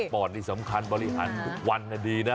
ปอดนี่สำคัญบริหารทุกวันดีนะ